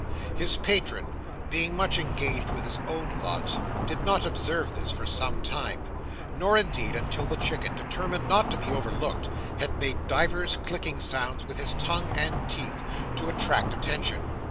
His patron being much engaged with his own thoughts, did not observe this for some time, nor indeed until the Chicken, determined not to be overlooked, had made divers clicking sounds with his tongue and teeth, to attract attention.